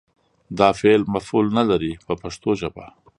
دا فعل مفعول نه لري په پښتو ژبه.